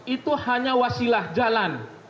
itu hanya wasilah jalan